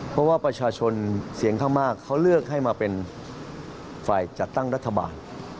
เพราะว่าประชาชนเสียงข้างมากเขาเลือกให้มาเป็นฝ่ายจัดตั้งรัฐบาล